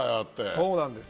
そうなんです。